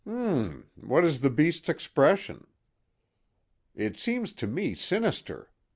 "'M, 'm—what is the beast's expression?" "It seems to me sinister.